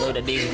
gak mungkin bu